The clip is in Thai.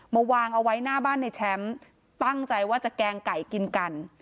มาวางเอาไว้หน้าบ้านในแชมป์ตั้งใจว่าจะแกงไก่กินกัน